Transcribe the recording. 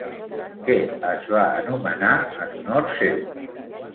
Què es va anomenar en honor seu?